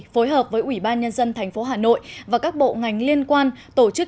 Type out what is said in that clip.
phối hợp với ủy ban nhân dân thành phố hà nội và các bộ ngành liên quan tổ chức